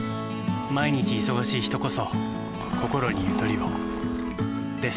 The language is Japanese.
毎日忙しい人こそこころにゆとりをです。